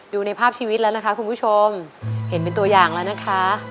ดูในภาพชีวิตแล้วนะคะคุณผู้ชมเห็นเป็นตัวอย่างแล้วนะคะ